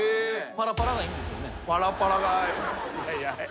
パラパラがいいんですよね？